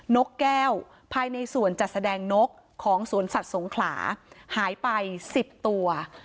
นกแก้วภายในสวนจัดแสดงนกของสวนสัตว์สงขลาหายไป๑๐ตัว